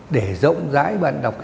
để rộng rãi bạn đọc